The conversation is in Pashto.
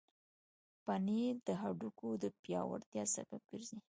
پنېر د هډوکو د پیاوړتیا سبب ګرځي.